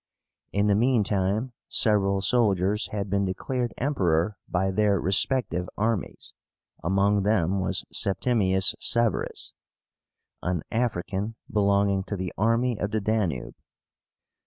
In the mean time several soldiers had been declared Emperor by their respective armies. Among them was SEPTIMIUS SEVÉRUS, an African, belonging to the army of the Danube.